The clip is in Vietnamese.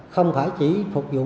không phải chỉ phục vụ